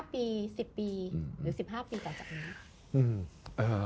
ปี๑๐ปีหรือ๑๕ปีต่อจากนี้